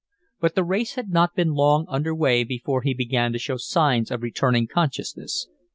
But the race had not been long under way before he began to show signs of returning consciousness.